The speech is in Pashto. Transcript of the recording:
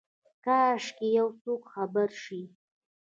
کاشکي یوڅوک خبر شي،